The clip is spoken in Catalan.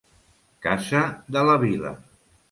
Casa de la Vila.